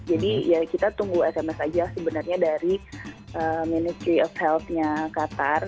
jadi ya kita tunggu sms aja sebenarnya dari ministry of healthnya qatar